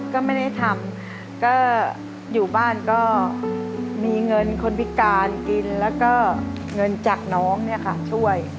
ก็ไม่ได้ทำก็อยู่บ้านก็มีเงินคนพิการกินแล้วก็เงินจากน้องเนี่ยค่ะช่วย